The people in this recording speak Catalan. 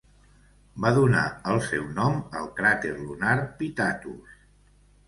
Va donar el seu nom al cràter lunar Pitatus.